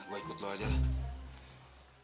gua ikut lu aja lah